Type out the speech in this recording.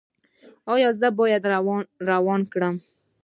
ایا زه باید وران کړم؟